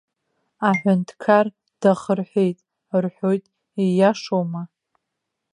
Аҳәынҭқар дахырҳәеит рҳәоит, ииашоума?